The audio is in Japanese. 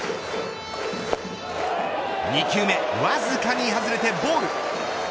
２球目、わずかに外れてボール。